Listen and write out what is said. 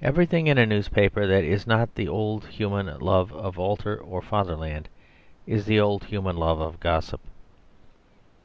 Everything in a newspaper that is not the old human love of altar or fatherland is the old human love of gossip.